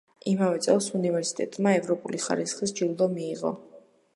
იმავე წელს უნივერსიტეტმა „ევროპული ხარისხის“ ჯილდო მიიღო.